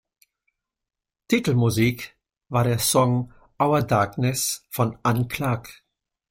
Titelmusik war der Song "Our Darkness" von Anne Clark.